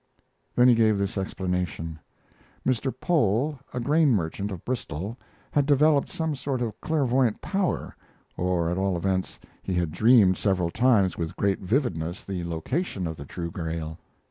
Then he gave this explanation: Mr. Pole, a grain merchant of Bristol, had developed some sort of clairvoyant power, or at all events he had dreamed several times with great vividness the location of the true Grail.